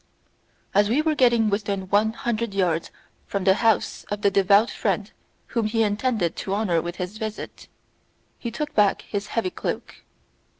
As we were getting within one hundred yards from the house of the devout friend whom he intended to honour with his visit, he took back his heavy cloak.